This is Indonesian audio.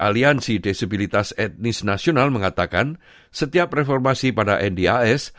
aliansi disability national mengatakan setiap reformasi pada ndis